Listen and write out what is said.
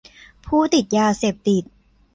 ผู้ติดยาเสพติด